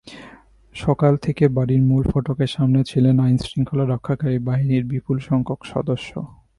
সকাল থেকে বাড়ির মূল ফটকের সামনে ছিলেন আইনশৃঙ্খলা রক্ষাকারী বাহিনীর বিপুলসংখ্যক সদস্য।